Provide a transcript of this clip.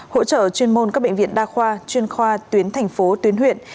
hỗ trợ chuyên môn các bệnh viện đa khoa chuyên khoa tuyến thành phố tuyến huyện